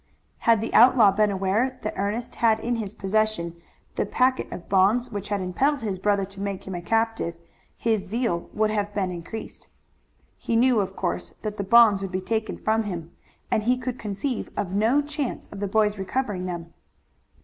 Had the outlaw been aware that Ernest had in his possession the packet of bonds which had impelled his brother to make him a captive his zeal would have been increased. He knew, of course, that the bonds would be taken from him and he could conceive of no chance of the boy's recovering them.